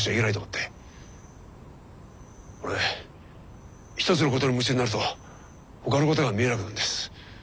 俺一つのことに夢中になるとほかのことが見えなくなるんです。